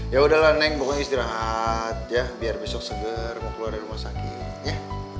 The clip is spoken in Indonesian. yaudahlah nenek bukannya istirahat ya biar besok seger mau keluar dari rumah sakit ya